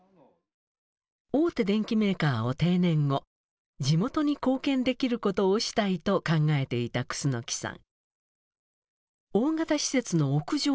大手電機メーカーを定年後地元に貢献できることをしたいと考えていた楠さん。